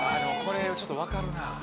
これちょっと分かるな。